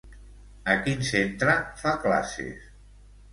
A quin centre fa classes?